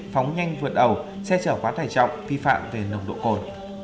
phóng nhanh vượt ẩu xe chở quá thải trọng phi phạm về nồng độ cồn